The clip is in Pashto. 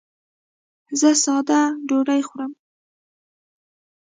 زه ساده ډوډۍ خورم.